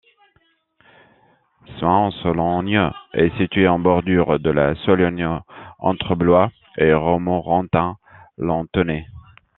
Soings-en-Sologne est située en bordure de la Sologne entre Blois et Romorantin-Lanthenay.